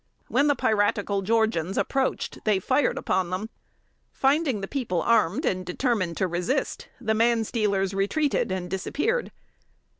When the piratical Georgians approached, they fired upon them. Finding the people armed and determined to resist, the manstealers retreated and disappeared.